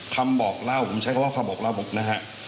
คำบอกเล่าผมใช้คำว่าคำบอกเล่านะฮะ